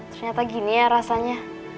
ternyata gini ya rasanya